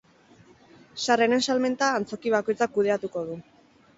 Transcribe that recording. Sarreren salmenta antzoki bakoitzak kudeatuko du.